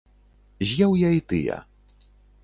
З'еў я і тыя.